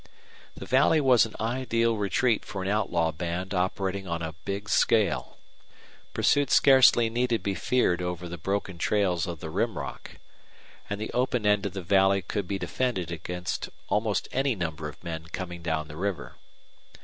The valley was an ideal retreat for an outlaw band operating on a big scale. Pursuit scarcely need be feared over the broken trails of the Rim Rock. And the open end of the valley could be defended against almost any number of men coming down the river.